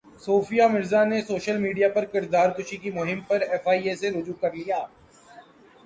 صوفیہ مرزا نے social media پرکردار کشی کی مہم پر ایف ائی اے سے رجوع کر لیا